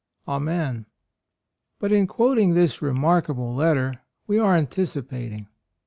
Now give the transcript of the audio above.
Amen." But in quoting this remark able letter we are anticipating.